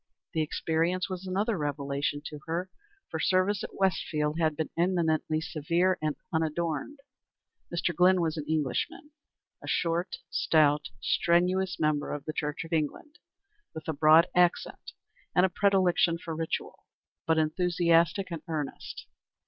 The experience was another revelation to her, for service at Westfield had been eminently severe and unadorned. Mr. Glynn was an Englishman; a short, stout, strenuous member of the Church of England with a broad accent and a predilection for ritual, but enthusiastic and earnest.